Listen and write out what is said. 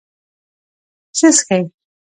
څه څښې؟